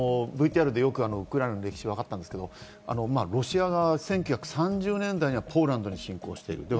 ＶＴＲでよくウクライナの歴史がわかったんですけど、ロシア側、１９３０年代にはポーランドに侵攻している。